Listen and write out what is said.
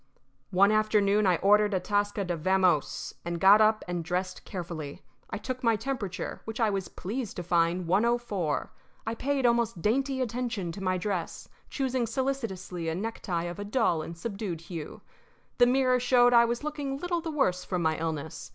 One afternoon I ordered Atasca to vamose, and got up and dressed carefully. I took my temperature, which I was pleased to find 104. I paid almost dainty attention to my dress, choosing solicitously a necktie of a dull and subdued hue. The mirror showed that I was looking little the worse from my illness.